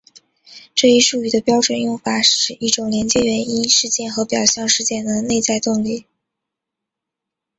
这一术语的标准用法是指一种连接原因事件和表象事件的内在动力。